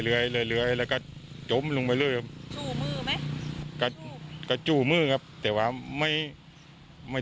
แล้วก็จมลงไปเลยจูมือไหมก็จูมือครับแต่ว่าไม่